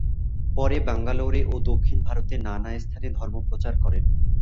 পরে বাঙ্গালোরে ও দক্ষিণ ভারতের নানা স্থানে ধর্মপ্রচার করেন।